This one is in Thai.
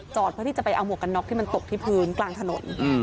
เพื่อที่จะไปเอาหมวกกันน็อกที่มันตกที่พื้นกลางถนน